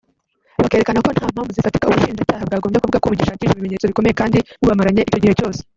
bakerekana ko nta mpamvu zifatika Ubushinjacyaha bwagombye kuvuga ko bugishakisha ibimenyetso bikomeye kandi bubamaranye icyo gihe cyose